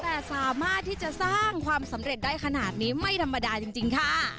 แต่สามารถที่จะสร้างความสำเร็จได้ขนาดนี้ไม่ธรรมดาจริงค่ะ